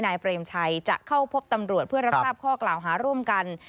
เปรมชัยจะเข้าพบตำรวจเพื่อรับทราบข้อกล่าวหาร่วมกัน